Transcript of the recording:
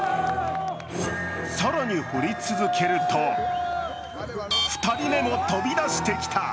更に掘り続けると、２人目も飛び出してきた。